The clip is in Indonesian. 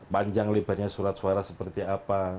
panjang lebarnya surat suara seperti apa